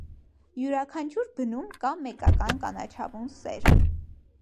Յուրաքանչյուր բնում կա մեկական կանաչավուն սերմ։